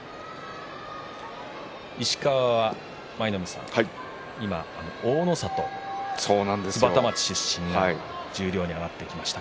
石川は舞の海さん、今、大の里、津幡町出身十両に上がってきました